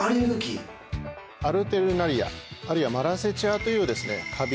アルテルナリアあるいはマラセチアというカビ